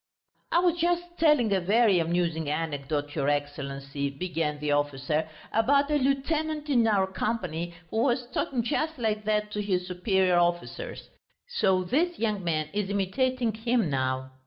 "I was just telling a very amusing anecdote, your Excellency!" began the officer, "about a lieutenant in our company who was talking just like that to his superior officers; so this young man is imitating him now.